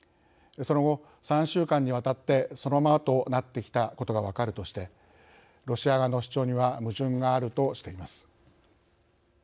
その後、３週間にわたってそのままとなってきたことが分かるとしてロシア側の主張には矛盾があるとしています。